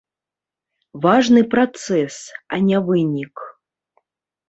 Важны працэс, а не вынік.